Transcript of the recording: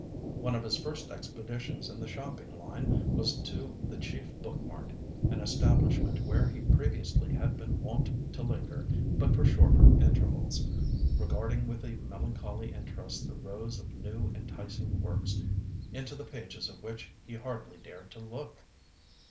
One of his first expeditions in the shopping line was to the chief book mart, an establishment where he previously had been wont to linger but for short intervals, regarding with a melancholy interest the rows of new, enticing works, into the pages of which he hardly dared to look.